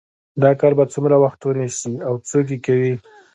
دا کار به څومره وخت ونیسي او څوک یې کوي